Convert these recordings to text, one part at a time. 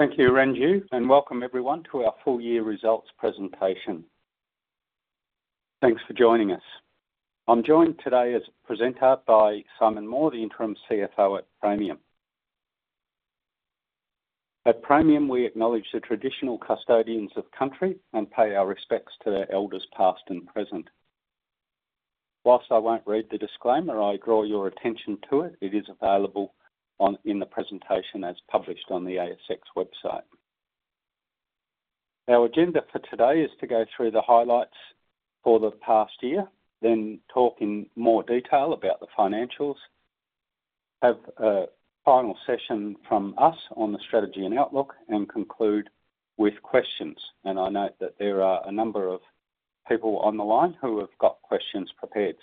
Thank you, Ranju, and welcome everyone to our Full-Year Results Presentation. Thanks for joining us. I'm joined today as a presenter by Simon Moore, the Interim CFO at Praemium. At Praemium, we acknowledge the traditional custodians of country and pay our respects to their elders, past and present. Whilst I won't read the disclaimer, I draw your attention to it. It is available in the presentation as published on the ASX website. Our agenda for today is to go through the highlights for the past year, then talk in more detail about the financials, have a final session from us on the strategy and outlook, and conclude with questions. I note that there are a number of people on the line who have got questions prepared.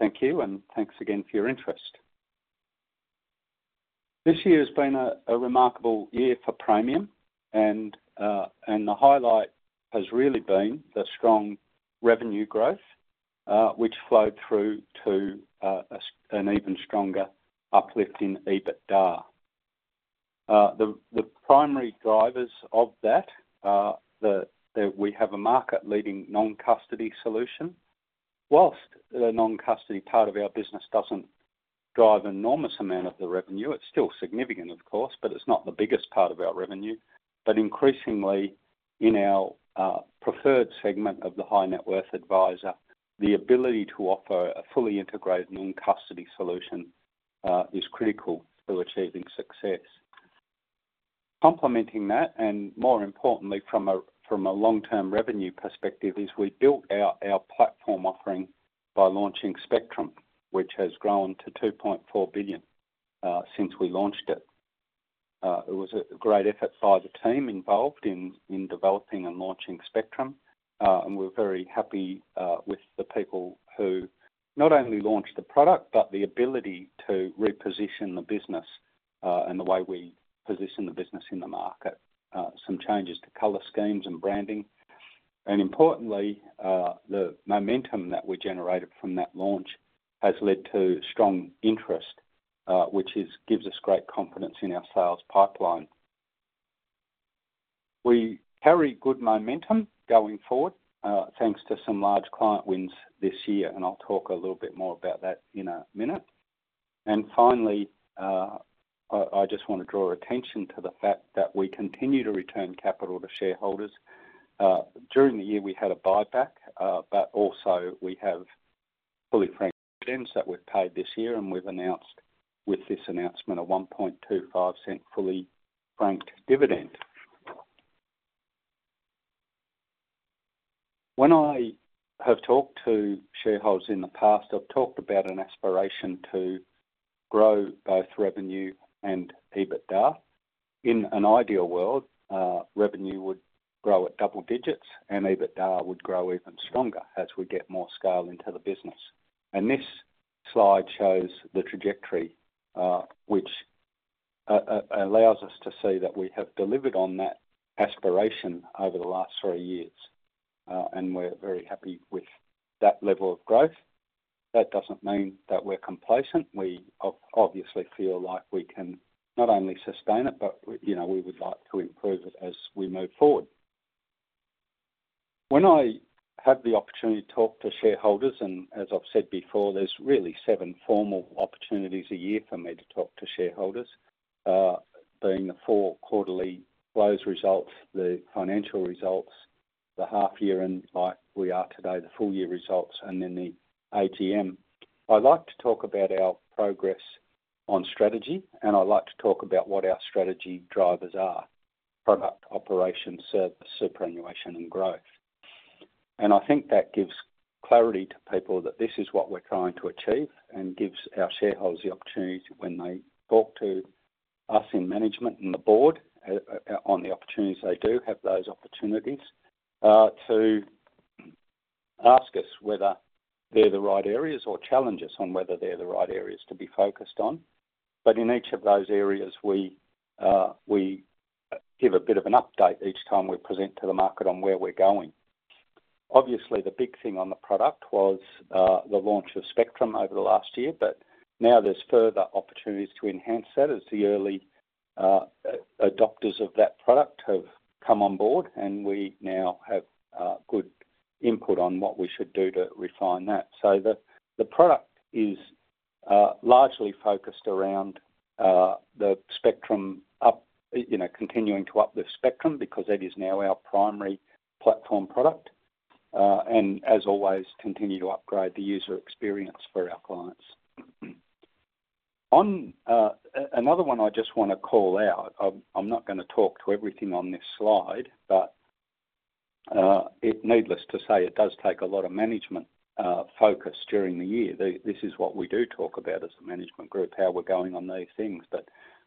Thank you, and thanks again for your interest. This year has been a remarkable year for Praemium, and the highlight has really been the strong revenue growth, which flowed through to an even stronger uplift in EBITDA. The primary drivers of that are that we have a market-leading non-custody solution. Whilst the non-custody part of our business doesn't drive an enormous amount of the revenue, it's still significant, of course, but it's not the biggest part of our revenue. Increasingly, in our preferred segment of the high-net-worth advisor, the ability to offer a fully integrated non-custody solution is critical to achieving success. Complementing that, and more importantly from a long-term revenue perspective, is we built out our platform offering by launching Spectrum, which has grown to $2.4 billion since we launched it. It was a great effort by the team involved in developing and launching Spectrum, and we're very happy with the people who not only launched the product, but the ability to reposition the business and the way we position the business in the market. Some changes to color schemes and branding, and importantly, the momentum that we generated from that launch has led to strong interest, which gives us great confidence in our sales pipeline. We carry good momentum going forward, thanks to some large client wins this year, and I'll talk a little bit more about that in a minute. Finally, I just want to draw your attention to the fact that we continue to return capital to shareholders. During the year, we had a buyback, but also, we have fully franked dividends that we've paid this year, and we've announced with this announcement a $0.0125 fully franked dividend. When I have talked to shareholders in the past, I've talked about an aspiration to grow both revenue and EBITDA. In an ideal world, revenue would grow at double digits, and EBITDA would grow even stronger as we get more scale into the business. This slide shows the trajectory, which allows us to see that we have delivered on that aspiration over the last three years, and we're very happy with that level of growth. That doesn't mean that we're complacent. We obviously feel like we can not only sustain it, but we would like to improve it as we move forward. When I have the opportunity to talk to shareholders, and as I've said before, there's really seven formal opportunities a year for me to talk to shareholders, being the four quarterly close results, the financial results, the half-year and like we are today, the full-year results, and then the ATM. I like to talk about our progress on strategy, and I like to talk about what our strategy drivers are: product, operations, service, superannuation, and growth. I think that gives clarity to people that this is what we're trying to achieve and gives our shareholders the opportunity when they talk to us in management and the board on the opportunities they do have those opportunities, to ask us whether they're the right areas or challenge us on whether they're the right areas to be focused on. In each of those areas, we give a bit of an update each time we present to the market on where we're going. Obviously, the big thing on the product was the launch of Spectrum over the last year, but now there's further opportunities to enhance that as the early adopters of that product have come on board, and we now have good input on what we should do to refine that. The product is largely focused around the Spectrum up, continuing to uplift Spectrum because that is now our primary platform product, and as always, continue to upgrade the user experience for our clients. Another one I just want to call out, I'm not going to talk to everything on this slide, but it's needless to say it does take a lot of management focus during the year. This is what we do talk about as the management group, how we're going on these things.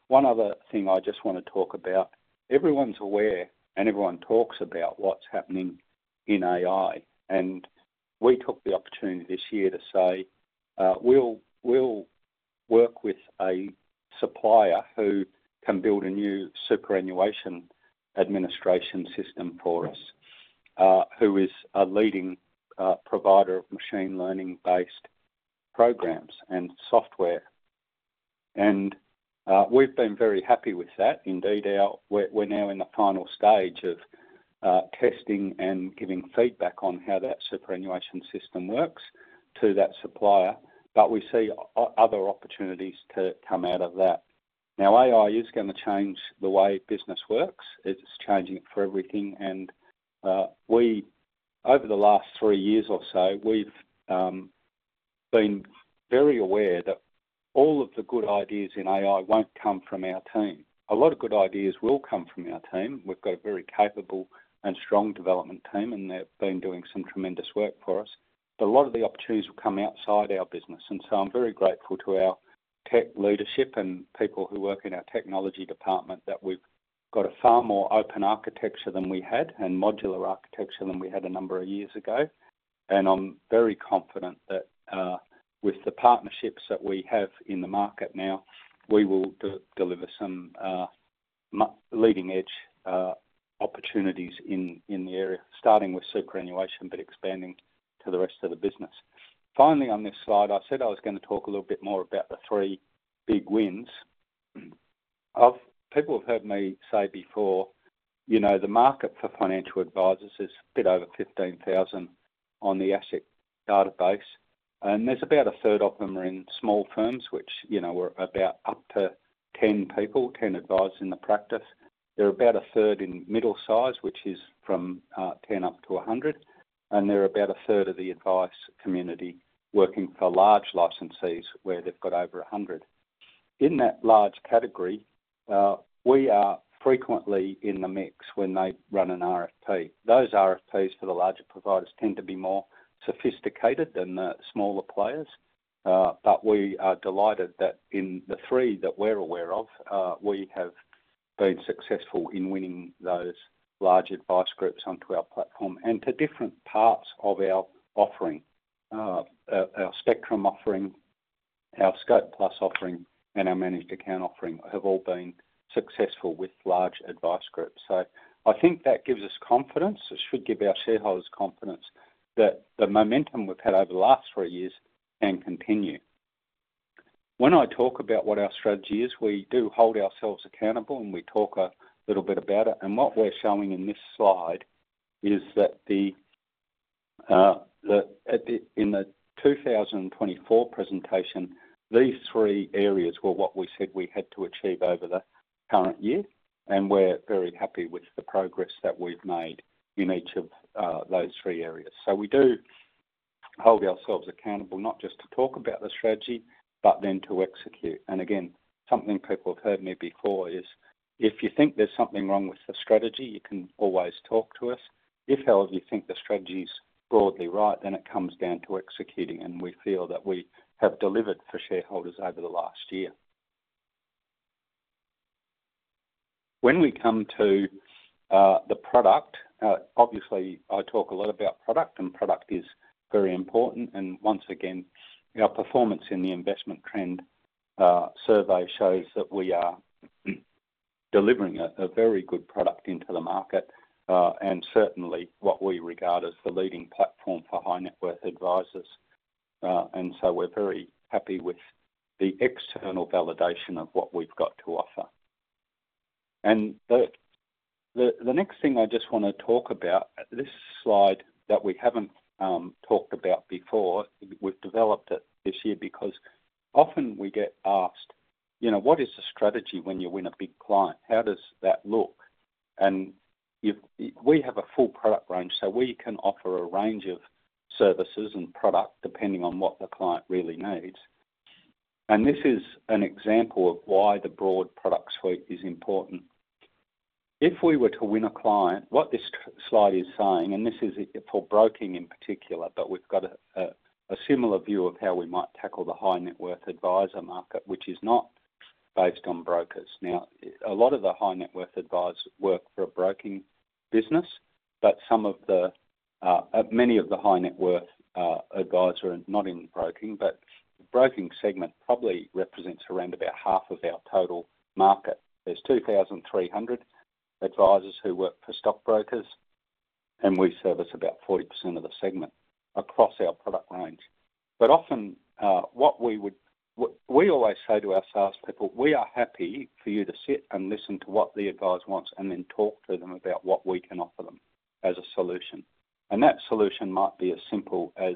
One other thing I just want to talk about, everyone's aware and everyone talks about what's happening in AI, and we took the opportunity this year to say, we'll work with a supplier who can build a new superannuation administration system for us, who is a leading provider of machine learning-based programs and software. We've been very happy with that. Indeed, we're now in the final stage of testing and giving feedback on how that superannuation system works to that supplier, but we see other opportunities to come out of that. AI is going to change the way business works. It's changing it for everything. Over the last three years or so, we've been very aware that all of the good ideas in AI won't come from our team. A lot of good ideas will come from our team. We've got a very capable and strong development team, and they've been doing some tremendous work for us. A lot of the opportunities will come outside our business. I'm very grateful to our tech leadership and people who work in our technology department that we've got a far more open architecture than we had and modular architecture than we had a number of years ago. I'm very confident that, with the partnerships that we have in the market now, we will deliver some leading-edge opportunities in the area, starting with superannuation but expanding to the rest of the business. Finally, on this slide, I said I was going to talk a little bit more about the three big wins. People have heard me say before, you know, the market for financial advisors is a bit over 15,000 on the asset database. There's about a third of them in small firms, which are about up to 10 people, 10 advisors in the practice. There are about 1/3 in middle size, which is from 10 up to 100. There are about 1/3 of the advice community working for large licensees where they've got over 100. In that large category, we are frequently in the mix when they run an RFP. Those RFPs for the larger providers tend to be more sophisticated than the smaller players. We are delighted that in the three that we're aware of, we have been successful in winning those large advice groups onto our platform and to different parts of our offering. Our Spectrum offering, our Scope+ offering, and our managed account offering have all been successful with large advice groups. I think that gives us confidence. It should give our shareholders confidence that the momentum we've had over the last three years can continue. When I talk about what our strategy is, we do hold ourselves accountable and we talk a little bit about it. What we're showing in this slide is that in the 2024 presentation, these three areas were what we said we had to achieve over the current year. We're very happy with the progress that we've made in each of those three areas. We do hold ourselves accountable not just to talk about the strategy, but then to execute. Something people have heard me before is if you think there's something wrong with the strategy, you can always talk to us. If, however, you think the strategy is broadly right, then it comes down to executing and we feel that we have delivered for shareholders over the last year. When we come to the product, obviously, I talk a lot about product and product is very important. Once again, our performance in the investment trend survey shows that we are delivering a very good product into the market, and certainly what we regard as the leading platform for high-net-worth advisors. We're very happy with the external validation of what we've got to offer. The next thing I just want to talk about is this slide that we haven't talked about before. We've developed it this year because often we get asked, you know, what is the strategy when you win a big client? How does that look? We have a full product range, so we can offer a range of services and product depending on what the client really needs. This is an example of why the broad product suite is important. If we were to win a client, what this slide is saying, and this is for broking in particular, we've got a similar view of how we might tackle the high-net-worth advisor market, which is not based on brokers. A lot of the high-net-worth advisors work for a broking business, but many of the high-net-worth advisors are not in broking, but the broking segment probably represents around about half of our total market. There's 2,300 advisors who work for stock brokers, and we service about 40% of the segment across our product range. Often, what we always say to our salespeople, we are happy for you to sit and listen to what the advisor wants and then talk to them about what we can offer them as a solution. That solution might be as simple as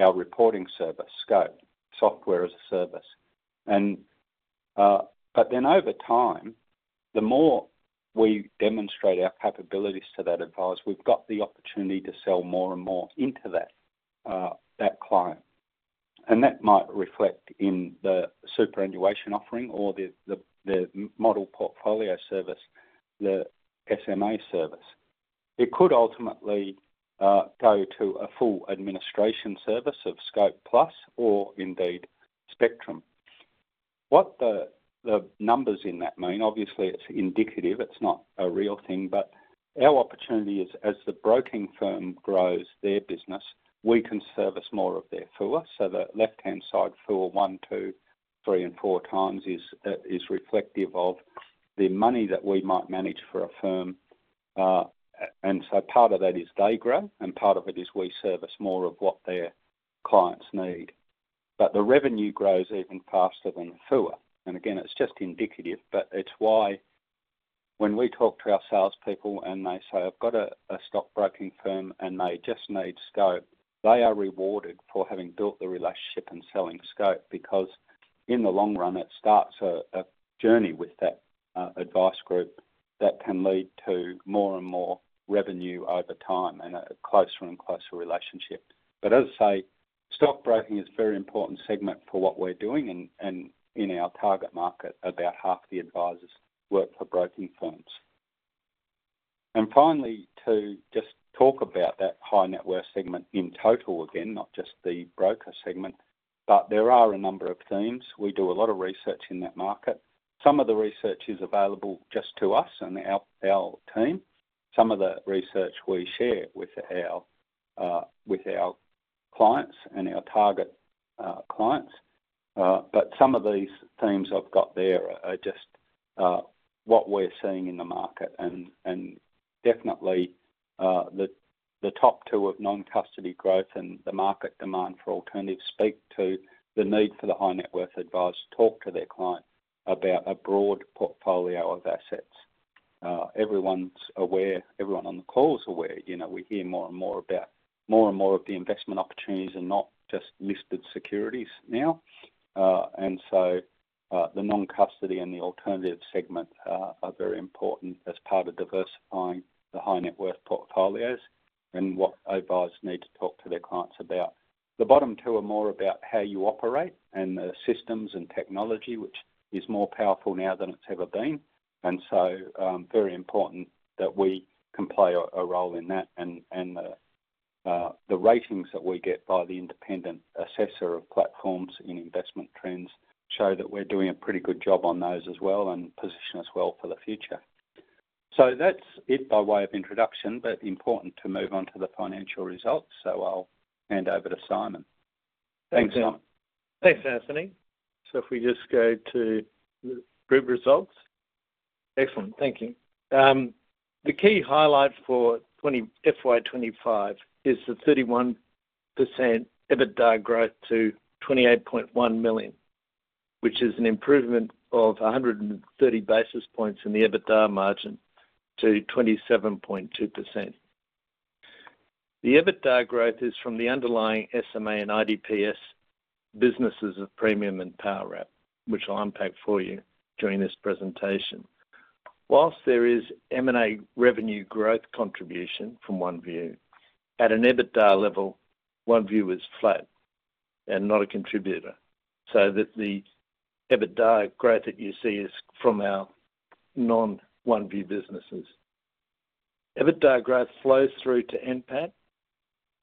our reporting service, Scope, software as a service. Over time, the more we demonstrate our capabilities to that advisor, we've got the opportunity to sell more and more into that client. That might reflect in the superannuation offering or the model portfolio service, the SMA service. It could ultimately go to a full administration service of Scope+ or indeed Spectrum. What the numbers in that mean, obviously, it's indicative. It's not a real thing. Our opportunity is, as the broking firm grows their business, we can service more of their FUA. The left-hand side, FUA one, two, three, and four times, is reflective of the money that we might manage for a firm. Part of that is they grow, and part of it is we service more of what their clients need. The revenue grows even faster than the FUA. Again, it's just indicative, but it's why when we talk to our salespeople and they say, "I've got a stock-broking firm and they just need Scope," they are rewarded for having built the relationship and selling Scope because in the long run, it starts a journey with that advice group that can lead to more and more revenue over time and a closer and closer relationship. Stock-broking is a very important segment for what we're doing. In our target market, about half the advisors work for broking firms. Finally, to just talk about that high-net-worth segment in total again, not just the broker segment, there are a number of themes. We do a lot of research in that market. Some of the research is available just to us and our team. Some of the research we share with our clients and our target clients. Some of these themes I've got there are just what we're seeing in the market. Definitely, the top two of non-custody growth and the market demand for alternatives speak to the need for the high-net-worth advisor to talk to their client about a broad portfolio of assets. Everyone's aware, everyone on the call is aware. We hear more and more about more and more of the investment opportunities and not just listed securities now. The non-custody and the alternative segment are very important as part of diversifying the high-net-worth portfolios and what advisors need to talk to their clients about. The bottom two are more about how you operate and the systems and technology, which is more powerful now than it's ever been. It is very important that we can play a role in that. The ratings that we get by the independent assessor of platforms in investment trends show that we're doing a pretty good job on those as well and position us well for the future. That's it by way of introduction, but important to move on to the financial results. I'll hand over to Simon. Thanks, Simon. Thanks, Anthony. If we just go to the group results. Excellent. Thank you. The key highlight for FY2025 is the 31% EBITDA growth to $28.1 million, which is an improvement of 130 basis points in the EBITDA margin to 27.2%. The EBITDA growth is from the underlying SMA and IDPS businesses of Praemium and Powerwrap, which I'll unpack for you during this presentation. Whilst there is M&A revenue growth contribution from OneVue, at an EBITDA level, OneVue is flat and not a contributor. The EBITDA growth that you see is from our non-OneVue businesses. EBITDA growth flows through to NPAT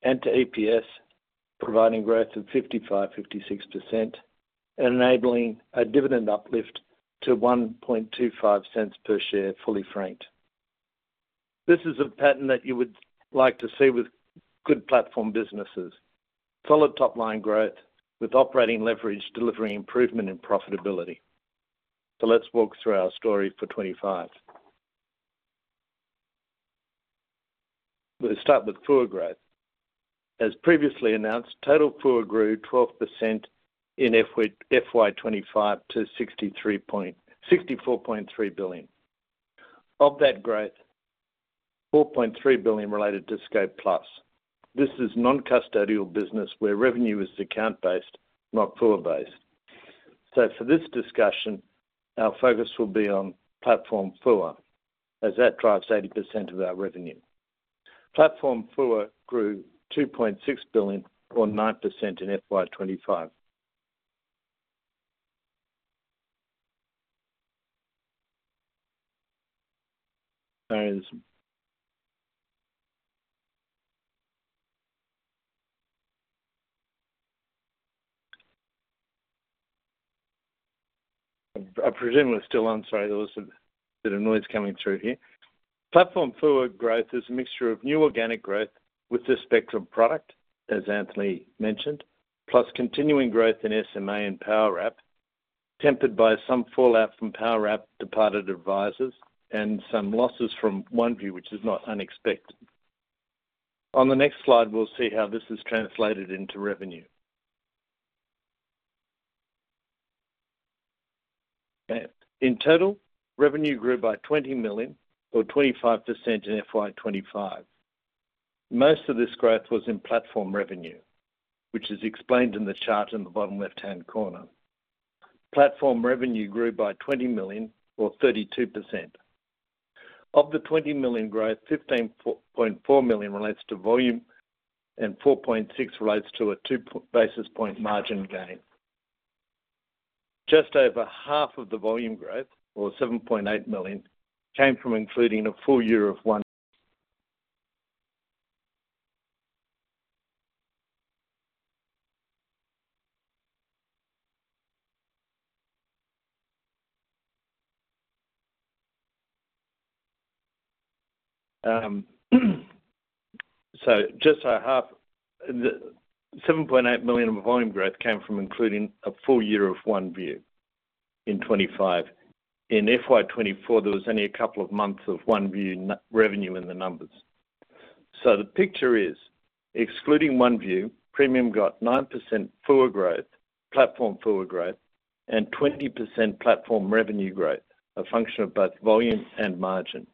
and to EPS, providing growth of 55%, 56% and enabling a dividend uplift to $0.0125 per share, fully franked. This is a pattern that you would like to see with good platform businesses. Followed top-line growth with operating leverage delivering improvement in profitability. Let's walk through our story for 2025. We'll start with FUA growth. As previously announced, total FUA grew 12% in FY2025 to $64.3 billion. Of that growth, $4.3 billion related to Scope+. This is non-custody business where revenue is account-based, not FUA-based. For this discussion, our focus will be on platform FUA as that drives 80% of our revenue. Platform FUA grew $2.6 billion or 9% in FY2025. I presume we're still on. Sorry, there was a bit of noise coming through here. Platform FUA growth is a mixture of new organic growth with the Spectrum product, as Anthony mentioned, plus continuing growth in SMA and Powerwrap, tempered by some fallout from Powerwrap departed advisors and some losses from OneVue, which is not unexpected. On the next slide, we'll see how this is translated into revenue. In total, revenue grew by $20 million or 25% in FY2025. Most of this growth was in platform revenue, which is explained in the chart in the bottom left-hand corner. Platform revenue grew by $20 million or 32%. Of the $20 million growth, $15.4 million relates to volume and $4.6 million relates to a two basis point margin gain. Just over half of the volume growth, or $7.8 million, came from including a full year of OneVue in 2025. In FY2024, there was only a couple of months of OneVue revenue in the numbers. The picture is, excluding OneVue, Praemium got 9% FUA growth, platform FUA growth, and 20% platform revenue growth, a function of both volume and margin.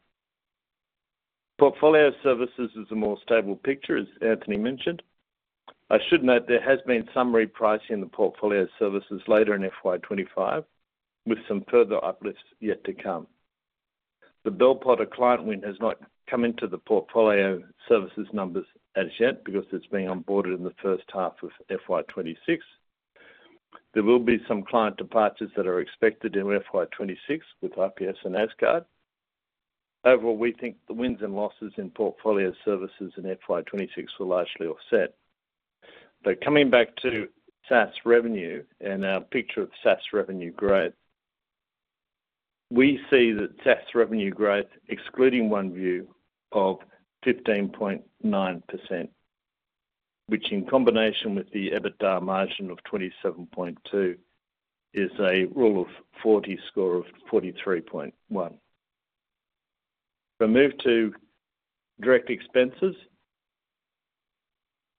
Portfolio services is a more stable picture, as Anthony mentioned. I should note there has been some repricing in the portfolio services later in FY2025, with some further uplifts yet to come. The Bell Potter client win has not come into the portfolio services numbers as yet because it's being onboarded in the first half of FY2026. There will be some client departures that are expected in FY2026 with IPS and ASGARD. Overall, we think the wins and losses in portfolio services in FY2026 were largely offset. Coming back to SaaS revenue and our picture of SaaS revenue growth, we see that SaaS revenue growth, excluding OneVue, of 15.9%, which in combination with the EBITDA margin of 27.2% is a rule of 40 score of 43.1. If I move to direct expenses,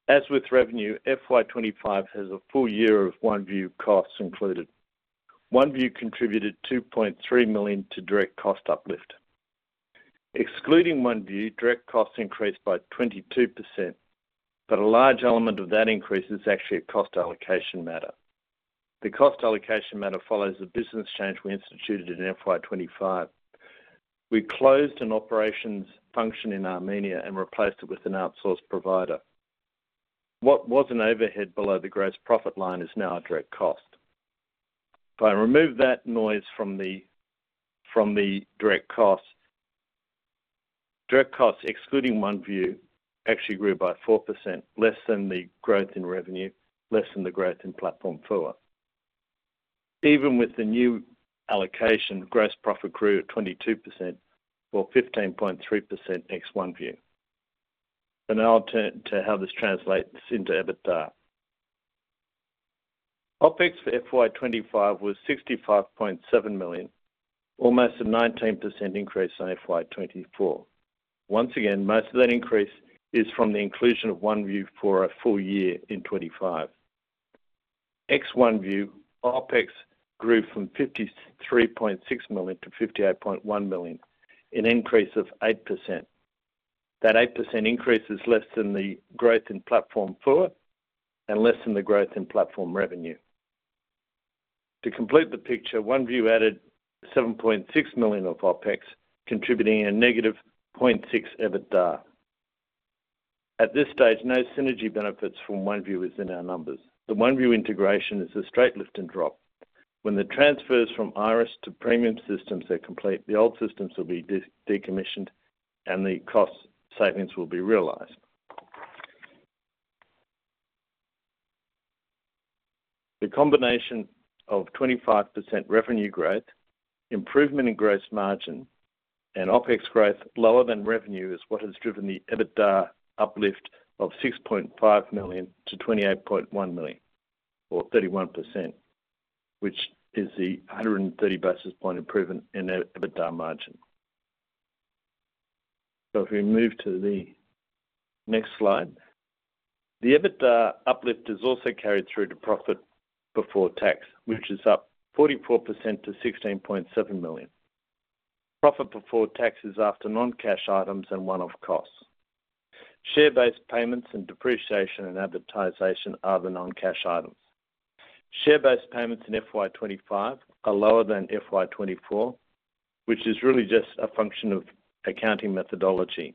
as with revenue, FY2025 has a full year of OneVue costs included. OneVue contributed $2.3 million to direct cost uplift. Excluding OneVue, direct costs increased by 22%, but a large element of that increase is actually a cost allocation matter. The cost allocation matter follows the business change we instituted in FY2025. We closed an operations function in Armenia and replaced it with an outsourced provider. What was an overhead below the gross profit line is now a direct cost. If I remove that noise from the direct costs, direct costs, excluding OneVue, actually grew by 4%, less than the growth in revenue, less than the growth in platform FUA. Even with the new allocation, gross profit grew at 22% or 15.3% ex OneVue. Now I'll turn to how this translates into EBITDA. OpEx for FY2025 was $65.7 million, almost a 19% increase on FY2024. Once again, most of that increase is from the inclusion of OneVue for a full year in 2025. Ex OneVue, OpEx grew from $53.6 million to $58.1 million, an increase of 8%. That 8% increase is less than the growth in platform FUA and less than the growth in platform revenue. To complete the picture, OneVue added $7.6 million of OpEx, contributing a -$0.6 million EBITDA. At this stage, no synergy benefits from OneVue is in our numbers. The OneVue integration is a straight lift and drop. When the transfers from IRIS to Praemium systems are complete, the old systems will be decommissioned and the cost savings will be realized. The combination of 25% revenue growth, improvement in gross margin, and OpEx growth lower than revenue is what has driven the EBITDA uplift of $6.5 million to $28.1 million or 31%, which is the 130 basis point improvement in the EBITDA margin. If we move to the next slide, the EBITDA uplift is also carried through to profit before tax, which is up 44% to $16.7 million. Profit before tax is after non-cash items and one-off costs. Share-based payments and depreciation and advertising are the non-cash items. Share-based payments in FY2025 are lower than FY2024, which is really just a function of accounting methodology.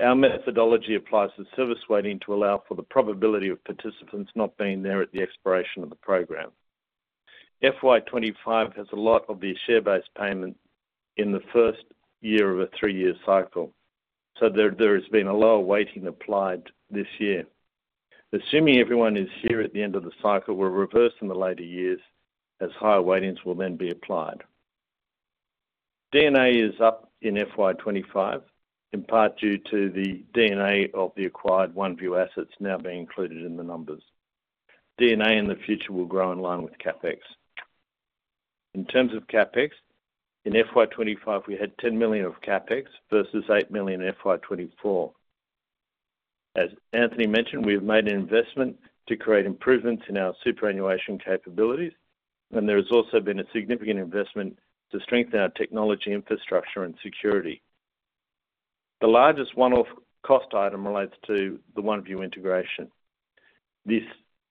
Our methodology applies a service weighting to allow for the probability of participants not being there at the expiration of the program. FY2025 has a lot of the share-based payments in the first year of a three-year cycle, so there has been a lower weighting applied this year. Assuming everyone is here at the end of the cycle, we'll reverse in the later years as higher weightings will then be applied. D&A is up in FY2025, in part due to the D&A of the acquired OneVue assets now being included in the numbers. D&A in the future will grow in line with CapEx. In terms of CapEx, in FY2025, we had $10 million of CapEx versus $8 million in FY2024. As Anthony mentioned, we've made an investment to create improvements in our superannuation capabilities, and there has also been a significant investment to strengthen our technology infrastructure and security. The largest one-off cost item relates to the OneVue integration. This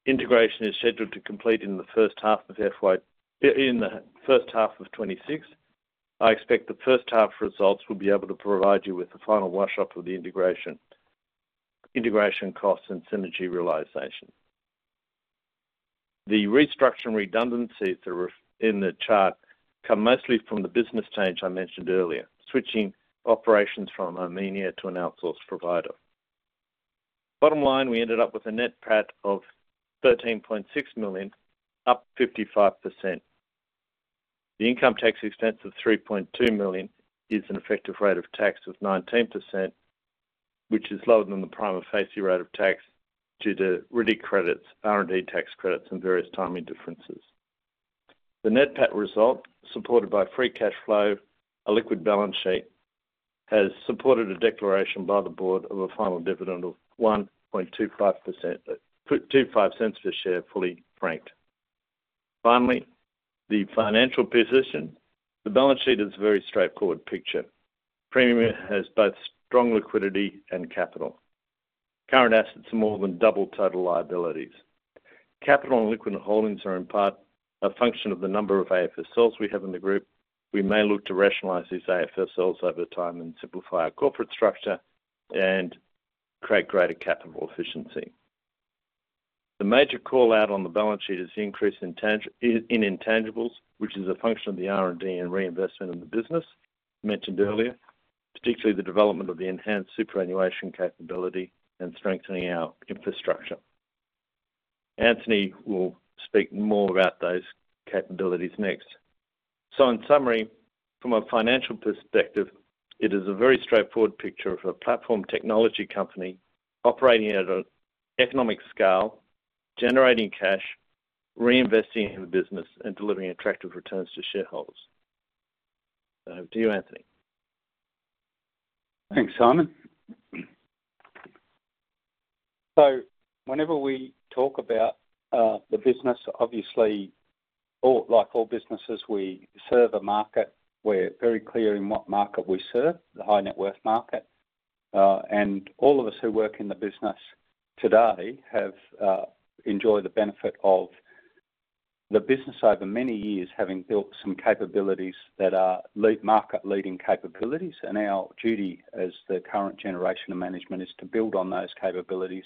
integration is scheduled to complete in the first half of FY2026. I expect the first half results will be able to provide you with the final washout of the integration, integration costs, and synergy realization. The restructuring redundancies in the chart come mostly from the business change I mentioned earlier, switching operations from Armenia to an outsourced provider. Bottom line, we ended up with a net PAT of $13.6 million, up 55%. The income tax expense of $3.2 million is an effective rate of tax of 19%, which is lower than the prime or FACI rate of tax due to R&D credits, R&D tax credits, and various timing differences. The net PAT result, supported by free cash flow and a liquid balance sheet, has supported a declaration by the board of a final dividend of $0.0125 per share, fully franked. Finally, the financial position, the balance sheet is a very straightforward picture. Praemium has both strong liquidity and capital. Current assets are more than double total liabilities. Capital and liquid holdings are in part a function of the number of AFSLs we have in the group. We may look to rationalize these AFSLs over time and simplify our corporate structure and create greater capital efficiency. The major call out on the balance sheet is increase in intangibles which is a portion of the R&D and re-investment in the business mentioned earlier. Particularly development of the enhanced superannuation capability and strengthening out infrastructure. Anthony will speak more of those capabilities next. So in summary, from a financial perspective, it is a very straightforward picture of our platform technology company. Operating as a economics scale, generating cash, re-investing in business, and delivering attractive returns to shareholders. To you Anthony. Thanks Simon. Whenever we talk about the business obviously, all of our four businesses we serve a market. We're very clear on what market we serve. And we also work in the business to enjoy the business side for many years having built some capabilities that led market capabilities and our duty as the current generation of management is to build on those capabilities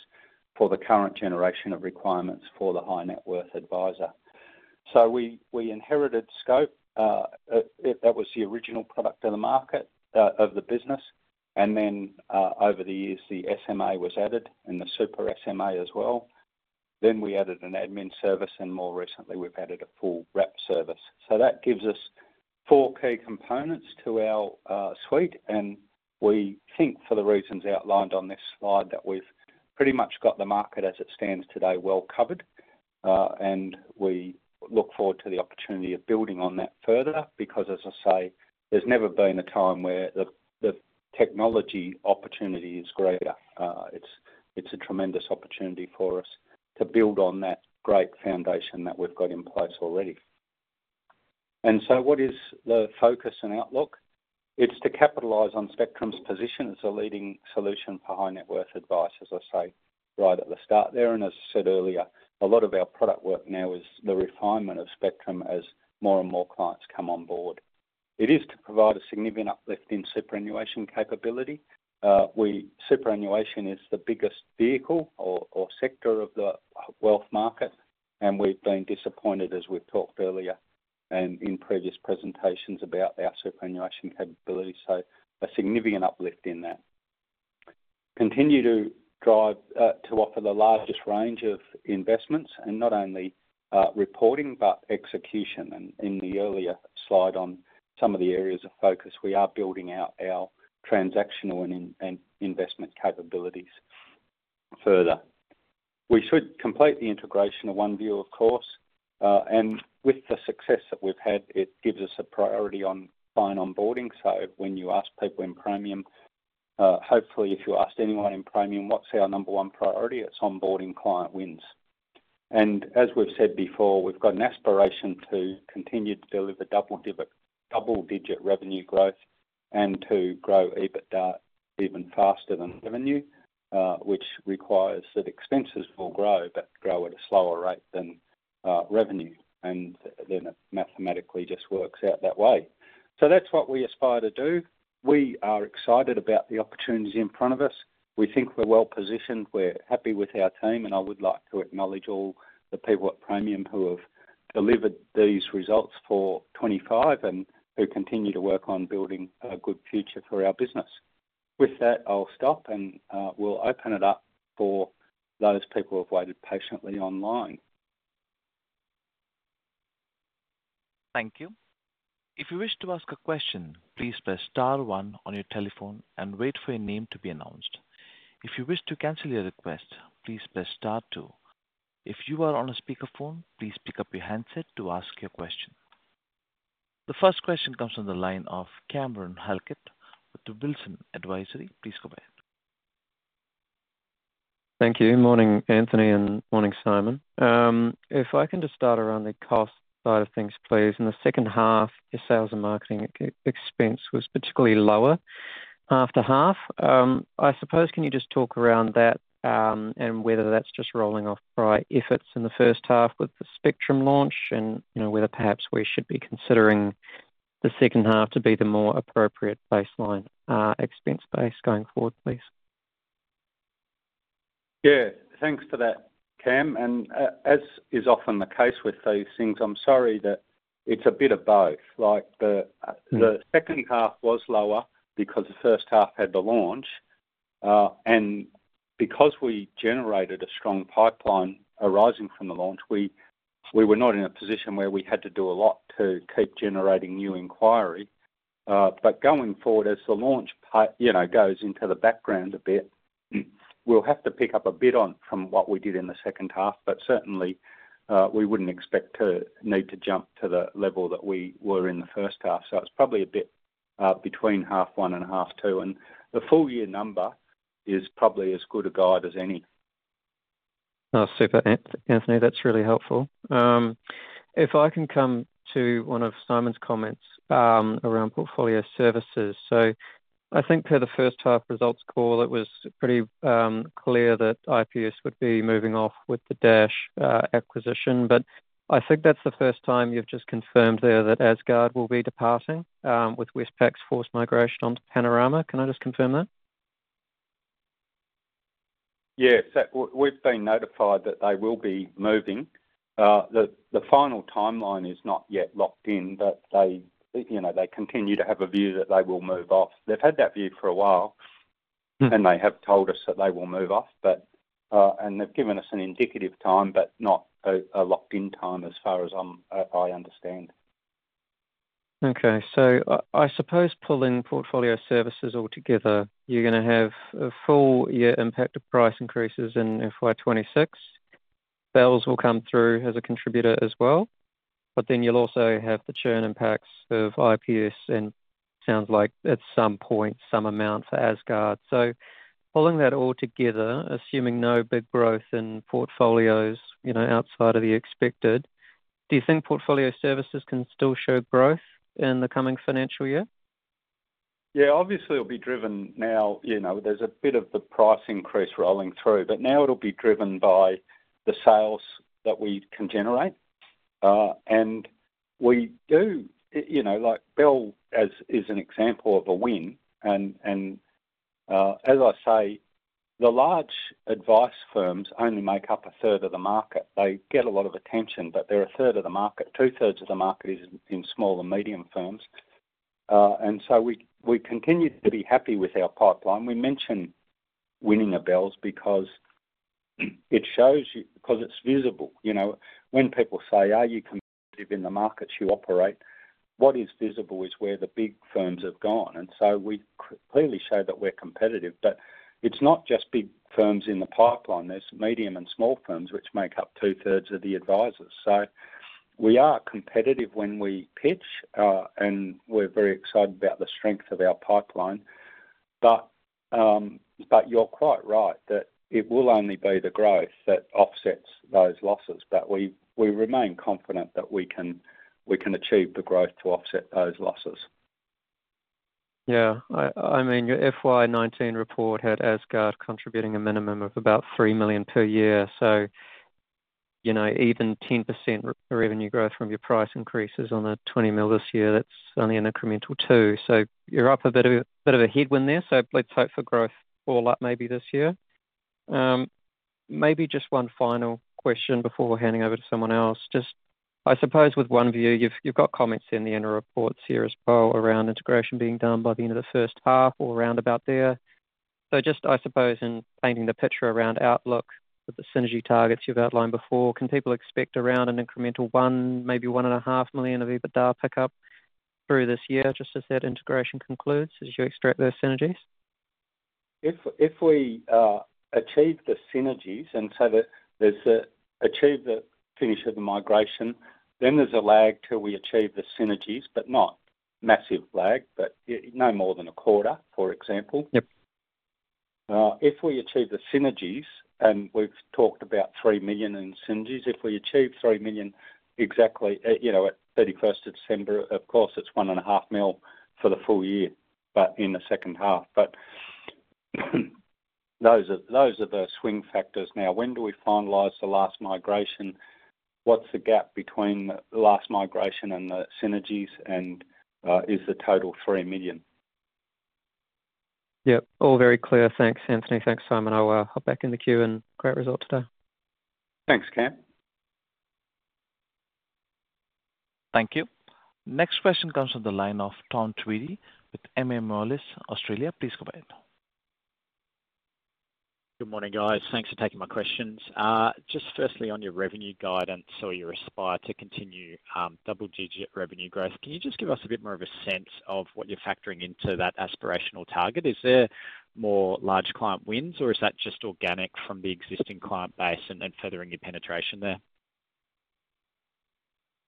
for the current generation of requirements for the high-net-worth advisor. We inherited Scope. That was the original product of the business. Over the years, the SMA was added and the super SMA as well. We added an admin service, and more recently, we've added a full rep service. That gives us four key components to our suite. We think for the reasons outlined on this slide that we've pretty much got the market as it stands today well covered. We look forward to the opportunity of building on that further because, as I say, there's never been a time where the technology opportunity is greater. It's a tremendous opportunity for us to build on that great foundation that we've got in place already. What is the focus and outlook? It's to capitalize on Spectrum's position as a leading solution for high-net-worth advice, as I say right at the start there. As I said earlier, a lot of our product work now is the refinement of Spectrum as more and more clients come on board. It is to provide a significant uplift in superannuation capability. Superannuation is the biggest vehicle or sector of the wealth market, and we've been disappointed as we've talked earlier and in previous presentations about our superannuation capability. A significant uplift in that. We continue to drive to offer the largest range of investments and not only reporting but execution. In the earlier slide on some of the areas of focus, we are building out our transactional and investment capabilities further. We should complete the integration of OneVue, of course, and with the success that we've had, it gives us a priority on client onboarding. If you ask people in Praemium, hopefully, if you asked anyone in Praemium, what's our number one priority? It's onboarding client wins. As we've said before, we've got an aspiration to continue to deliver double-digit revenue growth and to grow EBITDA even faster than revenue, which requires that expenses will grow but grow at a slower rate than revenue. It mathematically just works out that way. That's what we aspire to do. We are excited about the opportunities in front of us. We think we're well positioned. We're happy with our team, and I would like to acknowledge all the people at Praemium who have delivered these results for 2025 and who continue to work on building a good future for our business. With that, I'll stop, and we'll open it up for those people who have waited patiently online. Thank you. If you wish to ask a question, please press star one on your telephone and wait for your name to be announced. If you wish to cancel your request, please press star two. If you are on a speakerphone, please pick up your handset to ask your question. The first question comes from the line of Cameron Halkett with Wilson Advisory. Please go ahead. Thank you. Morning, Anthony, and morning, Simon. If I can just start around the cost side of things, please. In the second half, your sales and marketing expense was particularly lower half to half. I suppose, can you just talk around that, and whether that's just rolling off price if it's in the first half with the Spectrum launch, and whether perhaps we should be considering the second half to be the more appropriate baseline, expense base going forward, please? Yeah, thanks for that, Cam. As is often the case with these things, I'm sorry that it's a bit of both. The second half was lower because the first half had the launch, and because we generated a strong pipeline arising from the launch, we were not in a position where we had to do a lot to keep generating new inquiry. Going forward, as the launch goes into the background a bit, we'll have to pick up a bit on from what we did in the second half. Certainly, we wouldn't expect to need to jump to the level that we were in the first half. It's probably a bit between half one and half two, and the full-year number is probably as good a guide as any. Oh, super, Anthony. That's really helpful. If I can come to one of Simon's comments around portfolio services. I think per the first half results call, it was pretty clear that IPS would be moving off with the Dash acquisition. I think that's the first time you've just confirmed there that ASGARD will be departing, with WISPX force migration onto Panorama. Can I just confirm that? Yes, we've been notified that they will be moving. The final timeline is not yet locked in, but they continue to have a view that they will move off. They've had that view for a while, and they have told us that they will move off. They've given us an indicative time, but not a locked-in time as far as I understand. Okay. I suppose pulling portfolio services all together, you're going to have a full-year impact of price increases in FY2026. Sales will come through as a contributor as well. You'll also have the churn impacts of IPS and sounds like at some point, some amount for ASGARD. Pulling that all together, assuming no big growth in portfolios outside of the expected, do you think portfolio services can still show growth in the coming financial year? Yeah, obviously, it'll be driven now, you know, there's a bit of the price increase rolling through, but now it'll be driven by the sales that we can generate. We do, you know, like Bell is an example of a win. As I say, the large advice firms only make up a third of the market. They get a lot of attention, but they're 1/3 of the market. 2/3 of the market is in small and medium firms. We continue to be happy with our pipeline. We mention winning a Bell Potter because it shows you, because it's visible. You know, when people say, "Are you competitive in the markets you operate?" What is visible is where the big firms have gone. We clearly show that we're competitive, but it's not just big firms in the pipeline. There are medium and small firms which make up 2/3 of the advisors. We are competitive when we pitch, and we're very excited about the strength of our pipeline. You're quite right that it will only be the growth that offsets those losses. We remain confident that we can achieve the growth to offset those losses. Yeah. I mean, your FY2019 report had ASGARD contributing a minimum of about $3 million per year. Even 10% revenue growth from your price increases on the $20 million this year, that's only an incremental $2 million. You're up a bit of a headwind there. Let's hope for growth all up maybe this year. Maybe just one final question before we're handing over to someone else. I suppose with OneVue, you've got comments in the reports here as well around integration being done by the end of the first half or around about there. I suppose, in painting the picture around outlook with the synergy targets you've outlined before, can people expect around an incremental $1 million, maybe $1.5 million of EBITDA pickup through this year just as that integration concludes as you extract those synergies? If we achieve the synergies and so that there's achieved the finish of the migration, then there's a lag till we achieve the synergies, but not massive lag, but no more than a quarter, for example. Yep. If we achieve the synergies, and we've talked about $3 million in synergies, if we achieve $3 million exactly, you know, at 31st of December, of course, it's $1.5 million for the full year, but in the second half. Those are the swing factors now. When do we finalize the last migration? What's the gap between the last migration and the synergies? Is the total $3 million? Yeah, all very clear. Thanks, Anthony. Thanks, Simon. I'll hop back in the queue, and great result today. Thanks, Cam. Thank you. Next question comes from the line of Tom Tweedie with MA Moelis, Australia. Please go ahead. Good morning, guys. Thanks for taking my questions. Just firstly, on your revenue guidance, you aspire to continue double-digit revenue growth. Can you just give us a bit more of a sense of what you're factoring into that aspirational target? Is there more large client wins, or is that just organic from the existing client base and furthering your penetration there?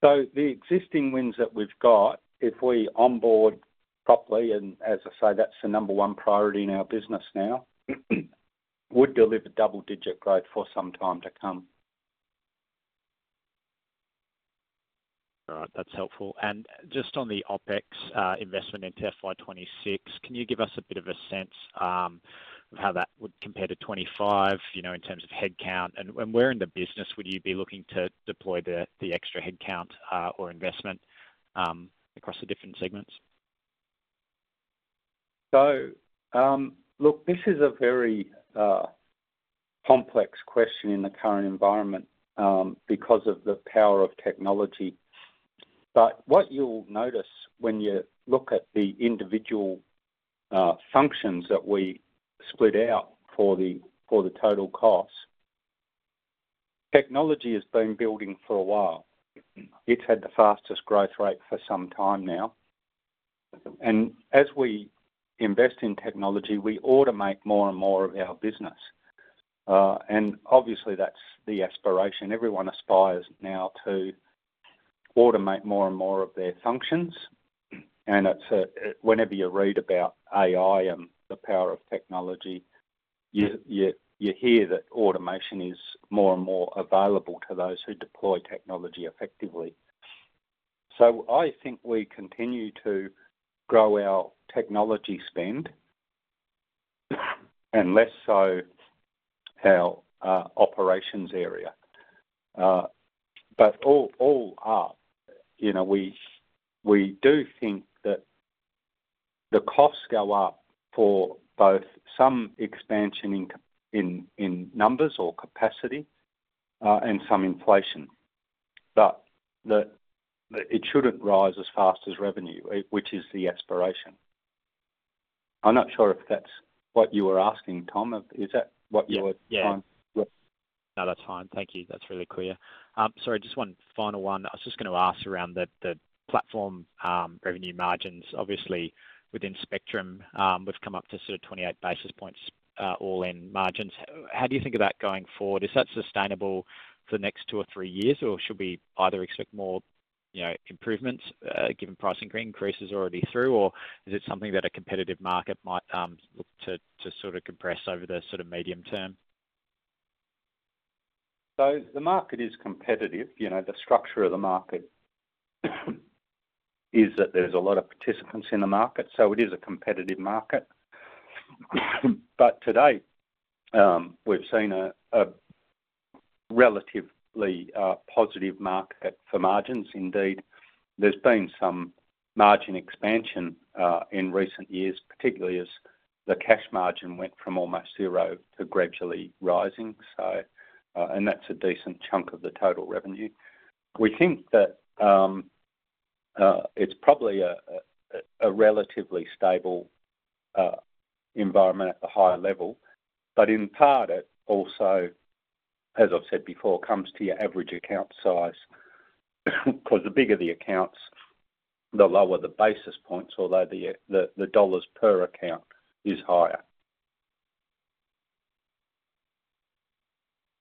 The existing wins that we've got, if we onboard properly, and as I say, that's the number one priority in our business now, would deliver double-digit growth for some time to come. All right, that's helpful. Just on the OpEx investment into FY2026, can you give us a bit of a sense of how that would compare to 2025 in terms of headcount? When we're in the business, would you be looking to deploy the extra headcount or investment across the different segments? This is a very complex question in the current environment because of the power of technology. What you'll notice when you look at the individual functions that we split out for the total cost, technology has been building for a while. It's had the fastest growth rate for some time now. As we invest in technology, we automate more and more of our business. Obviously, that's the aspiration. Everyone aspires now to automate more and more of their functions. Whenever you read about AI and the power of technology, you hear that automation is more and more available to those who deploy technology effectively. I think we continue to grow our technology spend and less so our operations area. We do think that the costs go up for both some expansion in numbers or capacity and some inflation. It shouldn't rise as fast as revenue, which is the aspiration. I'm not sure if that's what you were asking, Tom. Is that what you were? Thank you. That's really clear. Sorry, just one final one. I was just going to ask around the platform revenue margins. Obviously, within Spectrum, we've come up to sort of 28 basis points all in margins. How do you think about going forward? Is that sustainable for the next two or three years, or should we either expect more improvements given pricing increases already through, or is it something that a competitive market might look to sort of compress over the sort of medium term? The market is competitive. You know, the structure of the market is that there's a lot of participants in the market, so it is a competitive market. To date, we've seen a relatively positive market for margins. Indeed, there's been some margin expansion in recent years, particularly as the cash margin went from almost zero to gradually rising. That's a decent chunk of the total revenue. We think that it's probably a relatively stable environment at the high level. In part, it also, as I've said before, comes to your average account size. Because the bigger the accounts, the lower the basis points, although the dollars per account is higher.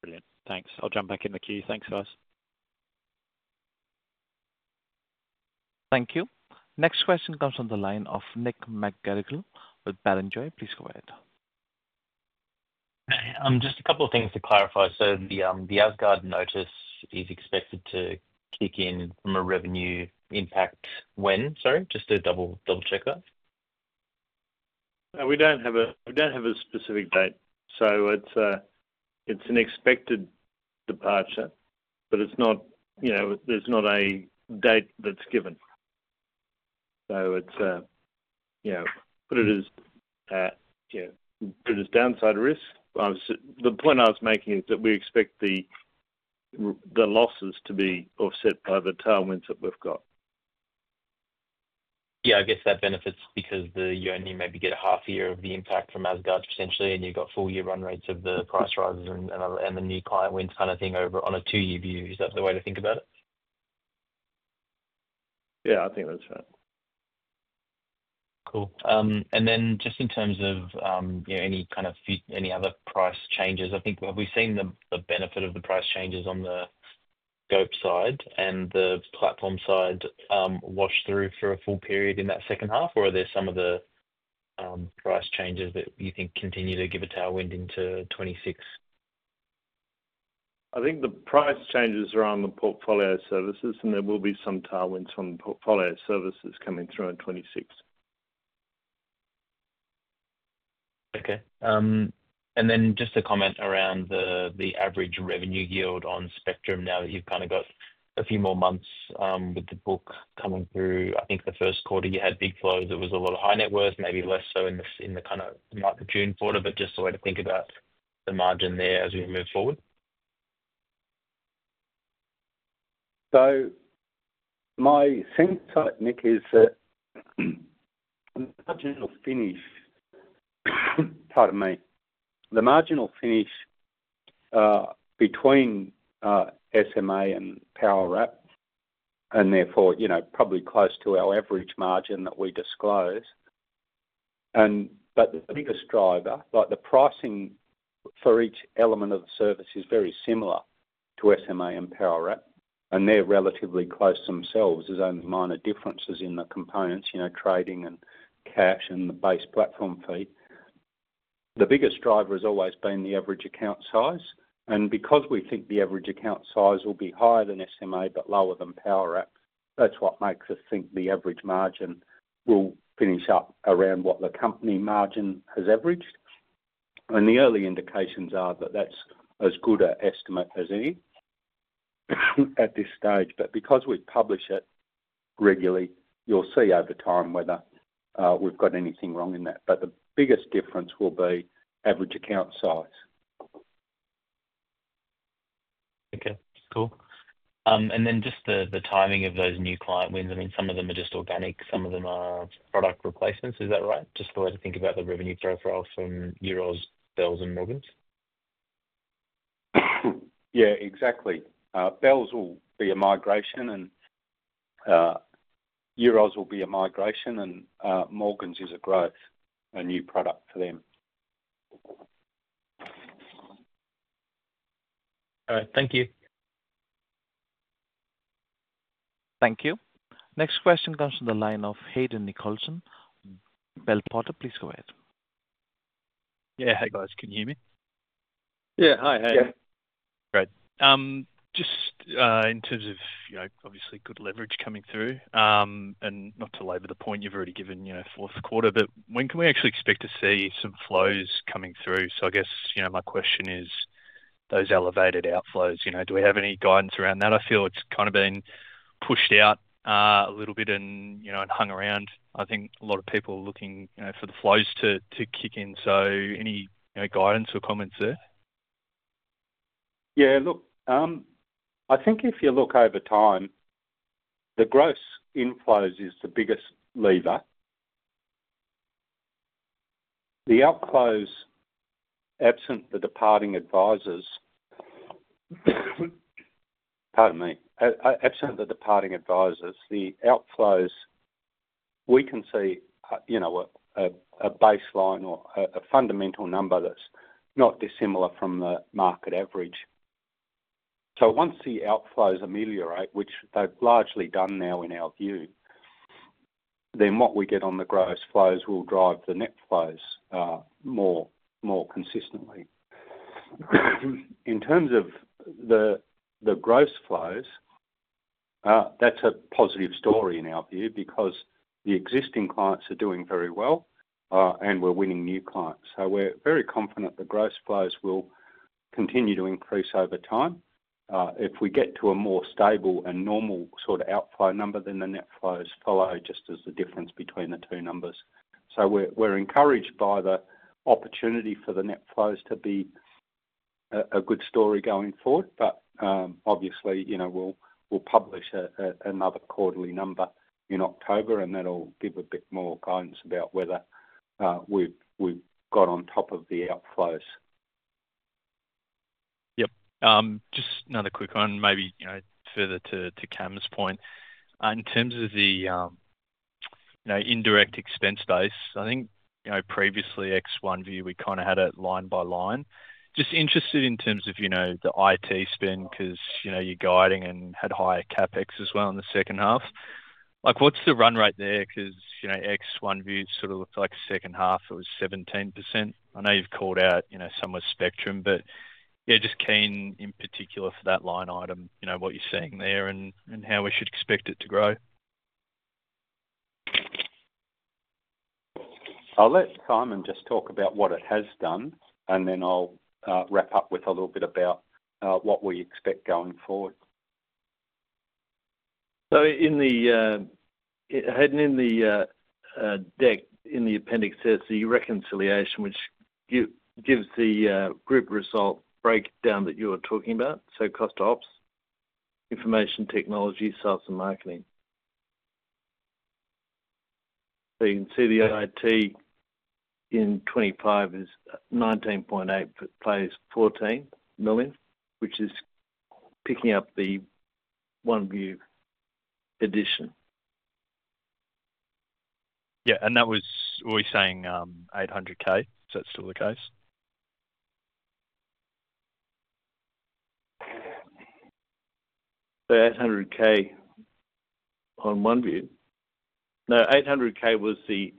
Brilliant. Thanks. I'll jump back in the queue. Thanks, first. Thank you. Next question comes from the line of Nick McGerigle with Barrenjoey. Please go ahead. Just a couple of things to clarify. The ASGARD notice is expected to kick in from a revenue impact when, sorry, just to double-check that. We don't have a specific date. It's an expected departure, but there's not a date that's given. Put it as a downside risk. The point I was making is that we expect the losses to be offset by the tailwinds that we've got. Yeah, I guess that benefits because you only maybe get a half a year of the impact from ASGARD potentially, and you've got full-year run rates of the price rises and the new client wins kind of thing over on a two-year view. Is that the way to think about it? Yeah, I think that's right. Cool. In terms of any other price changes, have we seen the benefit of the price changes on the Scope side and the platform side wash through for a full period in that second half, or are there some of the price changes that you think continue to give a tailwind into 2026? I think the price changes around the portfolio services, and there will be some tailwinds from the portfolio services coming through in 2026. Okay. Just a comment around the average revenue yield on Spectrum now that you've kind of got a few more months with the book coming through. I think the first quarter you had big flows. It was a lot of high net worth, maybe less so in the kind of not the June quarter, but just the way to think about the margin there as we move forward. My sense of Nick is that the marginal finish, pardon me, the marginal finish between SMA and Powerwrap, and therefore, you know, probably close to our average margin that we disclose. The biggest driver, like the pricing for each element of the service, is very similar to SMA and Powerwrap, and they're relatively close to themselves. There are only minor differences in the components, you know, trading and cash and the base platform fee. The biggest driver has always been the average account size. We think the average account size will be higher than SMA, but lower than Powerwrap. That's what makes us think the average margin will finish up around what the company margin has averaged. The early indications are that that's as good an estimate as any at this stage. Because we publish it regularly, you'll see over time whether we've got anything wrong in that. The biggest difference will be average account size. Okay. Cool. Just the timing of those new client wins, some of them are just organic, some of them are product replacements. Is that right? Just the way to think about the revenue threshold from Euros, Bell Potter, and Morgan's? Yeah, exactly. Bell Potter will be a migration, and Euros will be a migration, and Morgan's is a growth, a new product for them. All right. Thank you. Thank you. Next question comes from the line of Hayden Nicholson. Bell Potter, please go ahead. Yeah, hey guys, can you hear me? Hi, Hayden. Great. Just in terms of, you know, obviously good leverage coming through, and not to labor the point you've already given, you know, fourth quarter, but when can we actually expect to see some flows coming through? I guess my question is those elevated outflows, do we have any guidance around that? I feel it's kind of been pushed out a little bit and hung around. I think a lot of people are looking for the flows to kick in. Any guidance or comments there? Yeah, look, I think if you look over time, the gross inflows is the biggest lever. The outflows, absent the departing advisors, the outflows, we can see a baseline or a fundamental number that's not dissimilar from the market average. Once the outflows ameliorate, which they've largely done now in our view, what we get on the gross flows will drive the net flows more consistently. In terms of the gross flows, that's a positive story in our view because the existing clients are doing very well, and we're winning new clients. We're very confident the gross flows will continue to increase over time. If we get to a more stable and normal sort of outflow number, then the net flows follow, just as the difference between the two numbers. We're encouraged by the opportunity for the net flows to be a good story going forward. Obviously, we'll publish another quarterly number in October, and that'll give a bit more guidance about whether we've got on top of the outflows. Yep. Just another quick one, maybe further to Cam's point. In terms of the indirect expense base, I think previously ex-OneVue, we kind of had it line by line. Just interested in terms of the IT spend because you're guiding and had higher CapEx as well in the second half. What's the run rate there? Because ex-OneVue sort of looked like a second half. It was 17%. I know you've called out some with Spectrum, but yeah, just keen in particular for that line item, what you're seeing there and how we should expect it to grow. I'll let Simon just talk about what it has done, and then I'll wrap up with a little bit about what we expect going forward. In the heading in the deck in the appendix, it says the reconciliation, which gives the group result breakdown that you were talking about. Cost ops, information technology, sales, and marketing. You can see the OIT in 2025 is $19.8 million, but plays $14 million, which is picking up the OneVue edition. Yeah, was that $800,000? Is that still the case? $800,000 on OneVue. $800,000 was the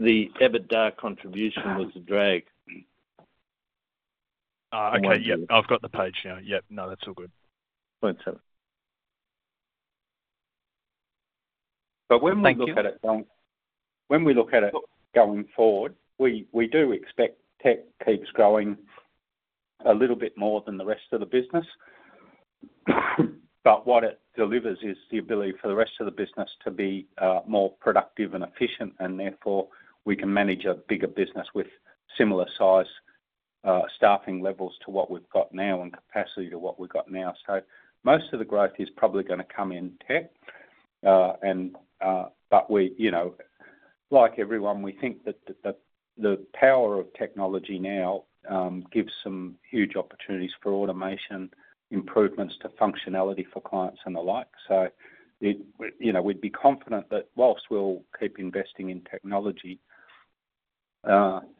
EBITDA contribution, was the drag. Yeah, I've got the page here. Yeah, that's all good. When we look at it going forward, we do expect tech keeps growing a little bit more than the rest of the business. What it delivers is the ability for the rest of the business to be more productive and efficient, and therefore we can manage a bigger business with similar size staffing levels to what we've got now and capacity to what we've got now. Most of the growth is probably going to come in tech. We think that the power of technology now gives some huge opportunities for automation, improvements to functionality for clients and the like. We'd be confident that whilst we'll keep investing in technology, part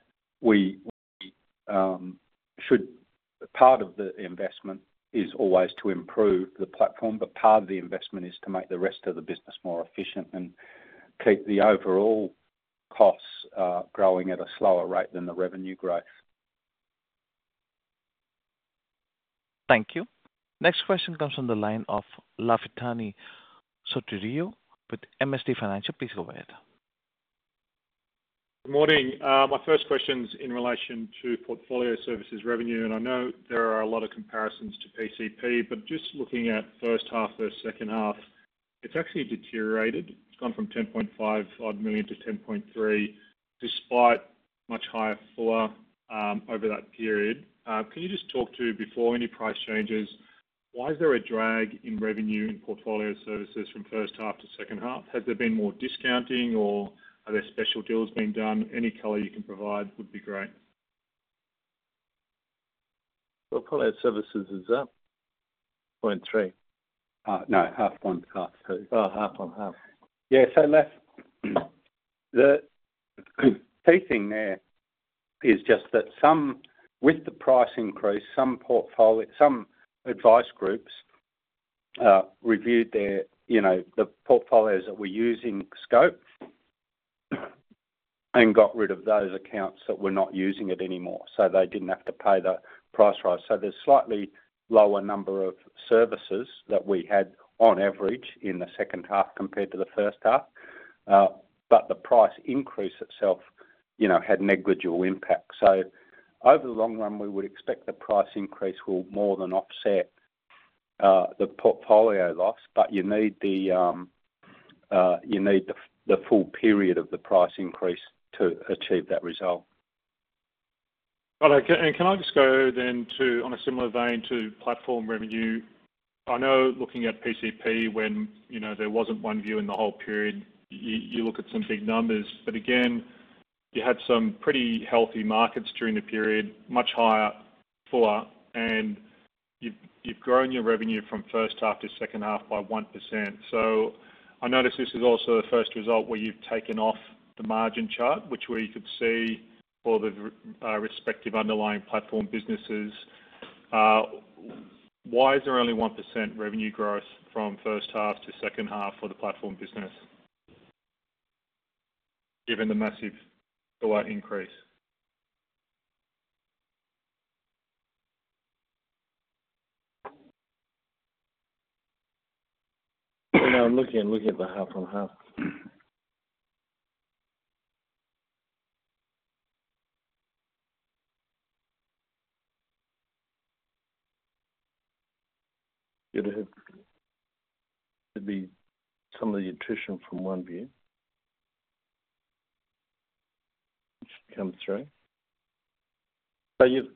of the investment is always to improve the platform, but part of the investment is to make the rest of the business more efficient and keep the overall costs growing at a slower rate than the revenue growth. Thank you. Next question comes from the line of Lafitani Soterio with MST Financial. Please go ahead. Good morning. My first question is in relation to portfolio services revenue, and I know there are a lot of comparisons to PCP, but just looking at first half versus second half, it's actually deteriorated. It's gone from $10.5 million to $10.3 million, despite much higher FUA over that period. Can you just talk to before any price changes, why is there a drag in revenue in portfolio services from first half to second half? Has there been more discounting or are there special deals being done? Any color you can provide would be great. Portfolio services is up $0.3 million No, half on half. Sorry. Half on half. Yeah, the key thing there is just that with the price increase, some portfolio, some advice groups reviewed their portfolios that were using Scope and got rid of those accounts that were not using it anymore. They didn't have to pay the price rise. There's a slightly lower number of services that we had on average in the second half compared to the first half, but the price increase itself had negligible impact. Over the long run, we would expect the price increase will more than offset the portfolio loss, but you need the full period of the price increase to achieve that result. Got it. Can I just go then to, on a similar vein, to platform revenue? I know looking at PCP, when, you know, there wasn't OneVue in the whole period, you look at some big numbers, but again, you had some pretty healthy markets during the period, much higher FUA, and you've grown your revenue from first half to second half by 1%. I noticed this is also the first result where you've taken off the margin chart, which we could see for the respective underlying platform businesses. Why is there only 1% revenue growth from first half to second half for the platform business, given the massive FUA increase? Now looking at the half on half, there had to be some of the attrition from OneVue, which comes through. You've,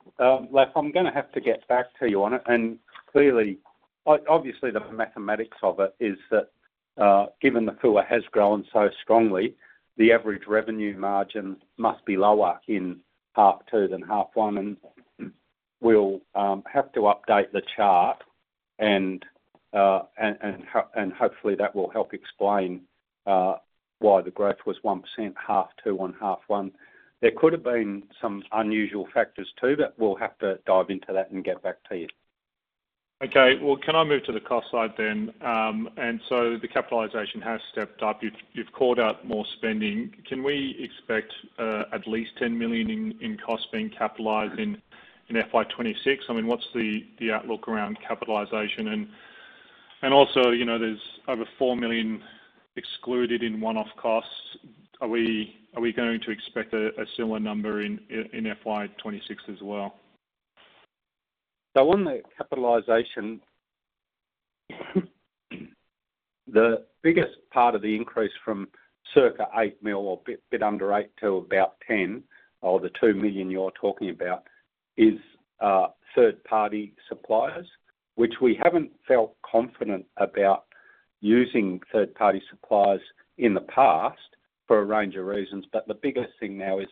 Lex, I'm going to have to get back to you on it. Clearly, obviously, the mathematics of it is that, given the FUA has grown so strongly, the average revenue margin must be lower in half two than half one. We'll have to update the chart, and hopefully, that will help explain why the growth was 1% half two and half one. There could have been some unusual factors too, but we'll have to dive into that and get back to you. Okay. Can I move to the cost side then? The capitalization has stepped up. You've called out more spending. Can we expect at least $10 million in cost being capitalized in FY2026? I mean, what's the outlook around capitalization? Also, there's over $4 million excluded in one-off costs. Are we going to expect a similar number in FY2026 as well? On the capitalization, the biggest part of the increase from circa $8 million or a bit under $8 million to about $10 million, or the $2 million you're talking about, is third-party suppliers. We haven't felt confident about using third-party suppliers in the past for a range of reasons. The biggest thing now is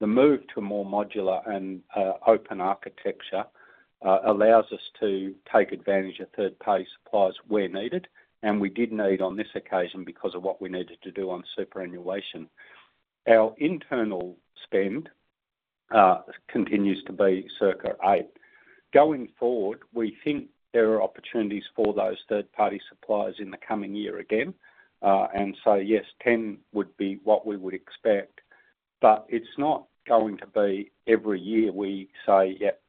the move to a more modular and open architecture, which allows us to take advantage of third-party suppliers where needed. We did need them on this occasion because of what we needed to do on superannuation. Our internal spend continues to be circa $8 million. Going forward, we think there are opportunities for those third-party suppliers in the coming year again, and so yes, $10 million would be what we would expect. It's not going to be every year we say, "Yep,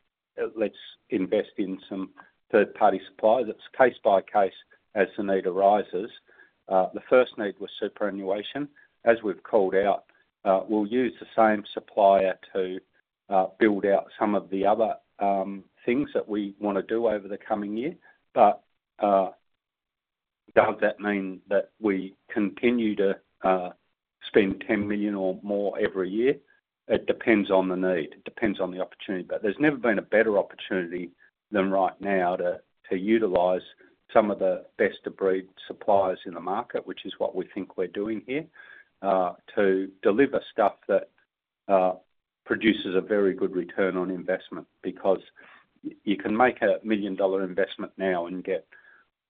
let's invest in some third-party suppliers." It's case by case as the need arises. The first need was superannuation. As we've called out, we'll use the same supplier to build out some of the other things that we want to do over the coming year. Does that mean that we continue to spend $10 million or more every year? It depends on the need. It depends on the opportunity. There's never been a better opportunity than right now to utilize some of the best-of-breed suppliers in the market, which is what we think we're doing here, to deliver stuff that produces a very good return on investment because you can make a $1 million investment now and get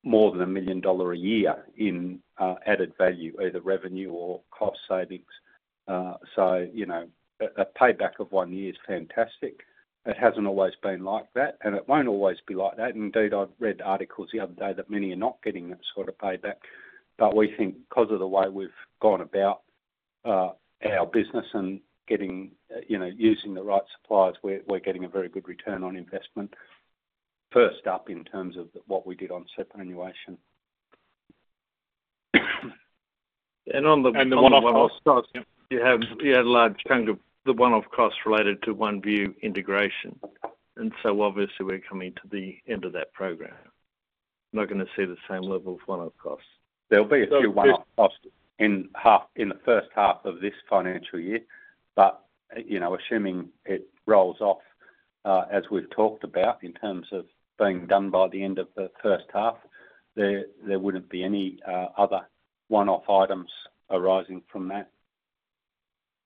more than $1 million a year in added value, either revenue or cost savings. A payback of one year is fantastic. It hasn't always been like that, and it won't always be like that. Indeed, I read articles the other day that many are not getting that sort of payback. We think because of the way we've gone about our business and using the right suppliers, we're getting a very good return on investment first up in terms of what we did on superannuation. On the one-off costs, you had a large chunk of the one-off costs related to OneVue integration. Obviously, we're coming to the end of that program. I'm not going to see the same level of one-off costs. There'll be a few one-off costs in the first half of this financial year. Assuming it rolls off, as we've talked about in terms of being done by the end of the first half, there wouldn't be any other one-off items arising from that.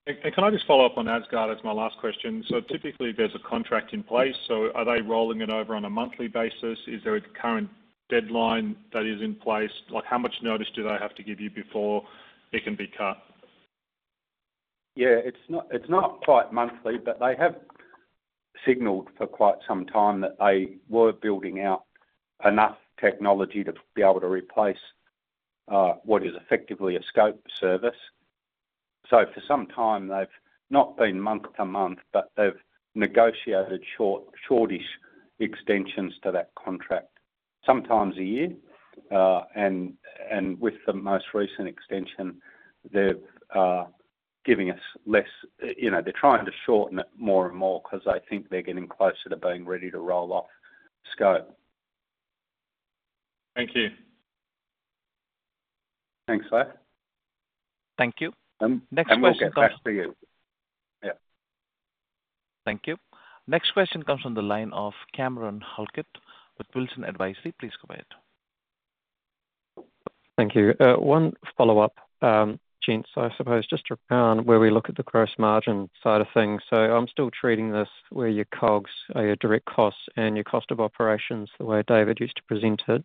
Can I just follow up on ASGARD as my last question? Typically, there's a contract in place. Are they rolling it over on a monthly basis? Is there a current deadline that is in place? How much notice do they have to give you before it can be cut? Yeah, it's not quite monthly, but they have signaled for quite some time that they were building out enough technology to be able to replace what is effectively a Scope service. For some time, they've not been month to month, but they've negotiated shortish extensions to that contract, sometimes a year. With the most recent extension, they've given us less, you know, they're trying to shorten it more and more because they think they're getting closer to being ready to roll off Scope. Thank you. Thanks, Lex. Thank you. Next question comes. Yeah. Thank you. Next question comes from the line of Cameron Halkett with Wilson Advisory. Please go ahead. Thank you. One follow-up, Jean, I suppose just on where we look at the gross margin side of things. I'm still treating this where your COGs are your direct costs and your cost of operations the way David used to present it.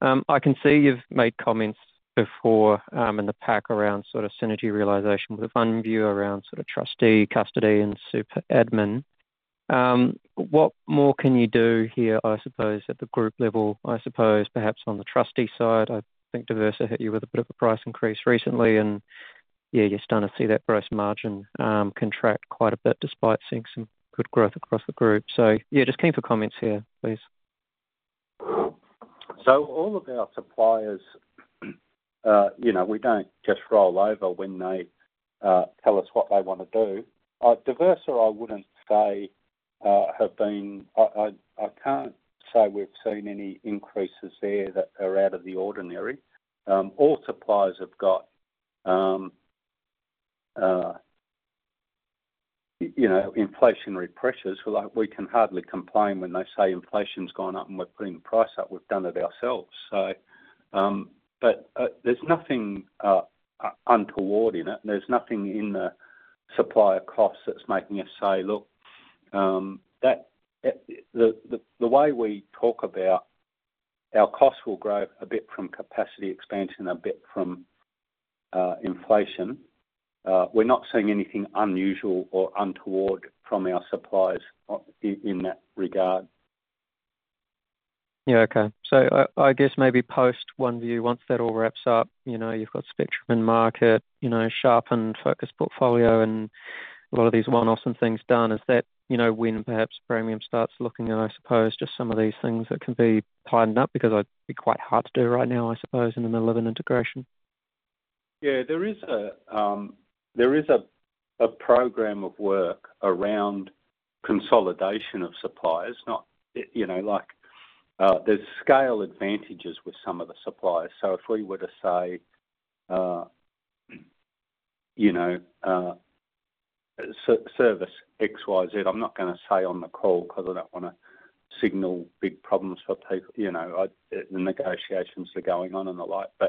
I can see you've made comments before in the pack around sort of synergy realization with OneVue around trustee, custody, and super admin. What more can you do here, I suppose, at the group level? I suppose perhaps on the trustee side, I think Diversa hit you with a bit of a price increase recently, and you're starting to see that gross margin contract quite a bit despite seeing some good growth across the group. Just keen for comments here, please. All of our suppliers, you know, we don't just roll over when they tell us what they want to do. Diversa, I wouldn't say, have been, I can't say we've seen any increases there that are out of the ordinary. All suppliers have got, you know, inflationary pressures. We can hardly complain when they say inflation's gone up and we're putting the price up. We've done it ourselves, so there's nothing untoward in it. There's nothing in the supplier costs that's making us say, look, the way we talk about our costs will grow a bit from capacity expansion and a bit from inflation. We're not seeing anything unusual or untoward from our suppliers in that regard. Yeah, okay. I guess maybe post-OneVue, once that all wraps up, you've got Spectrum in market, you know, sharpened, focused portfolio, and a lot of these one-offs and things done. Is that when perhaps Praemium starts looking at, I suppose, just some of these things that can be tightened up because it'd be quite hard to do right now, I suppose, in the middle of an integration? Yeah, there is a program of work around consolidation of suppliers. There are scale advantages with some of the suppliers. If we were to say, you know, service XYZ, I'm not going to say on the call because I don't want to signal big problems for people, you know, the negotiations that are going on and the like. The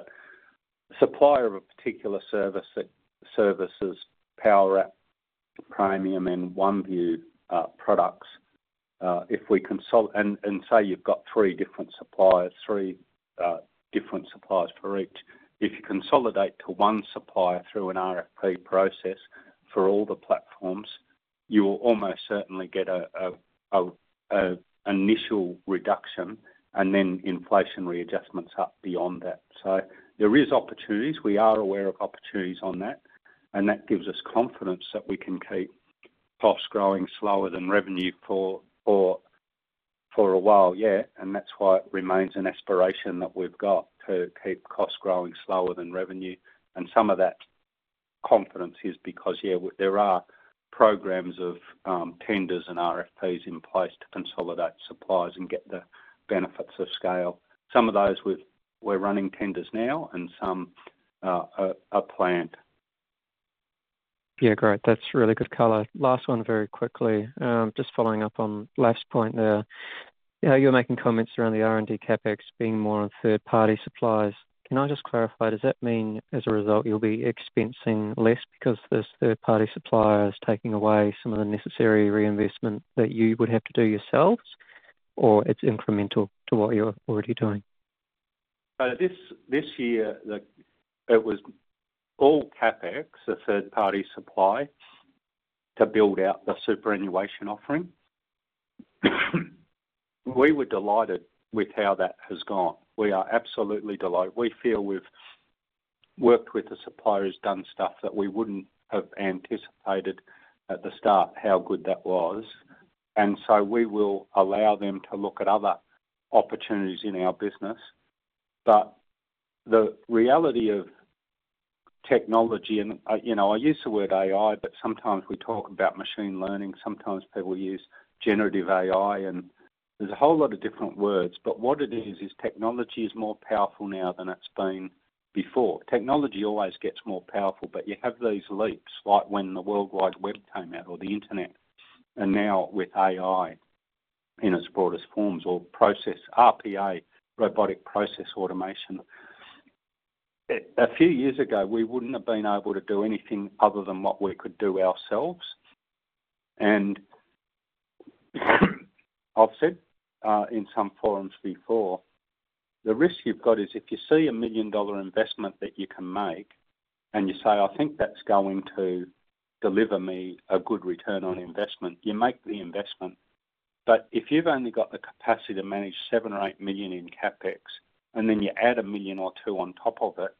supplier of a particular service that services Powerwrap, Praemium, and OneVue products, if we consolidate and say you've got three different suppliers, three different suppliers for each, if you consolidate to one supplier through an RFP process for all the platforms, you will almost certainly get an initial reduction and then inflationary adjustments up beyond that. There are opportunities. We are aware of opportunities on that. That gives us confidence that we can keep costs growing slower than revenue for a while yet. That's why it remains an aspiration that we've got to keep costs growing slower than revenue. Some of that confidence is because there are programs of tenders and RFPs in place to consolidate suppliers and get the benefits of scale. Some of those we're running tenders now and some are planned. Yeah, great. That's really good color. Last one very quickly. Just following up on the last point there. You're making comments around the R&D CapEx being more on third-party suppliers. Can I just clarify, does that mean as a result you'll be expensing less because this third-party supplier is taking away some of the necessary reinvestment that you would have to do yourselves, or it's incremental to what you're already doing? This year, it was all CapEx, a third-party supply, to build out the superannuation offering. We were delighted with how that has gone. We are absolutely delighted. We feel we've worked with the suppliers, done stuff that we wouldn't have anticipated at the start how good that was. We will allow them to look at other opportunities in our business. The reality of technology, and you know, I use the word AI, but sometimes we talk about machine learning. Sometimes people use generative AI, and there's a whole lot of different words. What it is, is technology is more powerful now than it's been before. Technology always gets more powerful, but you have these leaps, like when the World Wide Web came out or the internet. Now with AI in its broadest forms or process RPA, robotic process automation, a few years ago, we wouldn't have been able to do anything other than what we could do ourselves. I've said in some forums before, the risk you've got is if you see a $1 million investment that you can make and you say, "I think that's going to deliver me a good return on investment," you make the investment. If you've only got the capacity to manage $7 million or $8 million in CapEx and then you add $1 million or $2 million on top of it,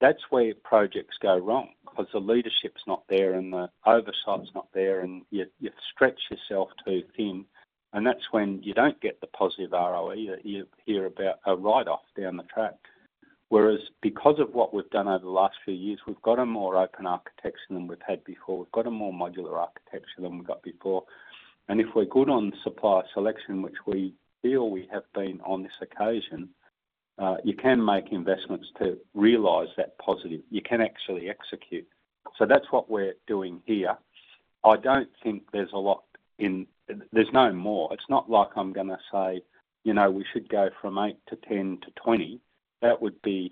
that's where projects go wrong because the leadership's not there and the oversight's not there and you've stretched yourself too thin. That's when you don't get the positive ROE that you hear about a write-off down the track. Whereas because of what we've done over the last few years, we've got a more open architecture than we've had before. We've got a more modular architecture than we've got before. If we're good on supplier selection, which we feel we have been on this occasion, you can make investments to realize that positive. You can actually execute. That's what we're doing here. I don't think there's a lot in there's no more. It's not like I'm going to say, "You know, we should go from 8 to 10 to 20." That would be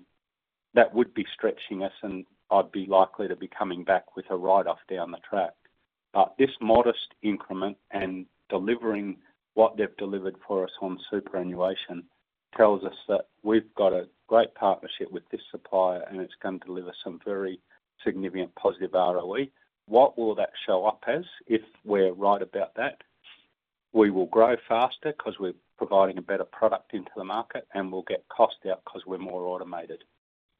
stretching us and I'd be likely to be coming back with a write-off down the track. This modest increment and delivering what they've delivered for us on superannuation tells us that we've got a great partnership with this supplier and it's going to deliver some very significant positive ROE. What will that show up as? If we're right about that, we will grow faster because we're providing a better product into the market and we'll get cost out because we're more automated.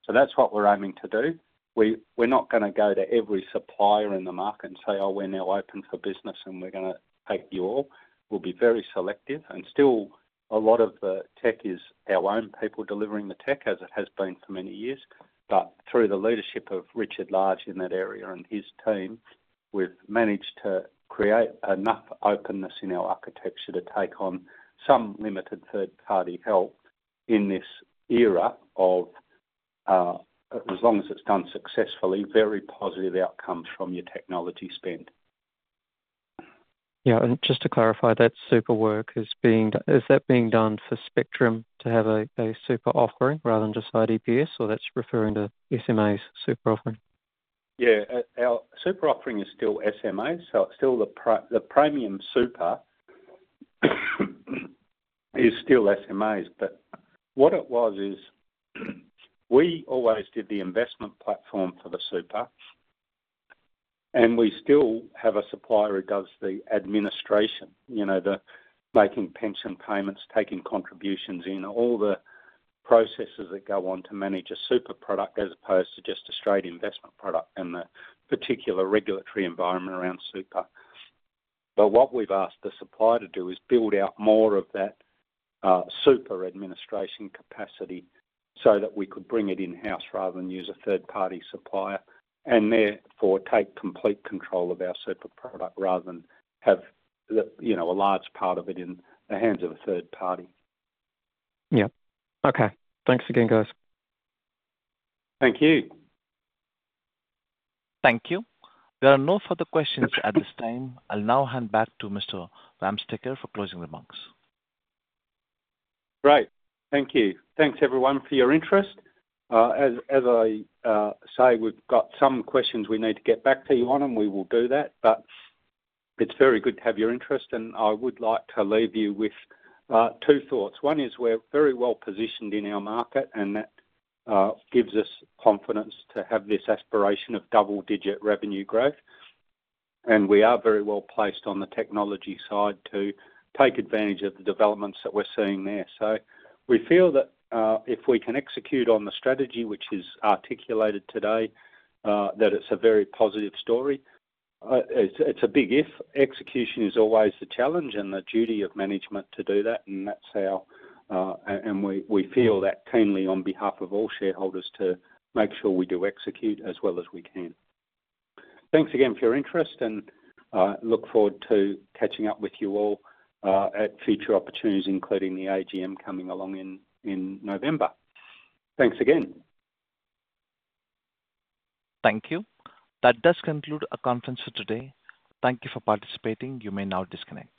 That's what we're aiming to do. We're not going to go to every supplier in the market and say, "Oh, we're now open for business and we're going to take you all." We'll be very selective and still a lot of the tech is our own people delivering the tech as it has been for many years. Through the leadership of Richard Large in that area and his team, we've managed to create enough openness in our architecture to take on some limited third-party help in this era of, as long as it's done successfully, very positive outcomes from your technology spend. To clarify, that super work is being done. Is that being done for Spectrum to have a super offering rather than just IDPS, or that's referring to SMA's super offering? Yeah, our super offering is still SMA, so it's still the premium super. It's still SMA, but what it was is we always did the investment platform for the super, and we still have a supplier who does the administration, you know, the making pension payments, taking contributions in, all the processes that go on to manage a super product as opposed to just a straight investment product and the particular regulatory environment around super. What we've asked the supplier to do is build out more of that super administration capacity so that we could bring it in-house rather than use a third-party supplier and therefore take complete control of our super product rather than have, you know, a large part of it in the hands of a third party. Okay, thanks again, guys. Thank you. Thank you. There are no further questions at this time. I'll now hand back to Mr. Wamsteker for closing remarks. Great. Thank you. Thanks everyone for your interest. As I say, we've got some questions we need to get back to you on, and we will do that, but it's very good to have your interest, and I would like to leave you with two thoughts. One is we're very well positioned in our market, and that gives us confidence to have this aspiration of double-digit revenue growth. We are very well placed on the technology side to take advantage of the developments that we're seeing there. We feel that if we can execute on the strategy, which is articulated today, that it's a very positive story. It's a big if. Execution is always the challenge and the duty of management to do that, and we feel that keenly on behalf of all shareholders to make sure we do execute as well as we can. Thanks again for your interest, and I look forward to catching up with you all at future opportunities, including the AGM coming along in November. Thanks again. Thank you. That does conclude our conference for today. Thank you for participating. You may now disconnect.